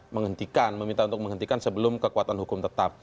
menghentikan meminta untuk menghentikan sebelum kekuatan hukum tetap